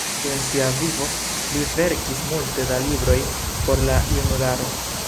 Dum sia vivo li verkis multe da libroj por la junularo.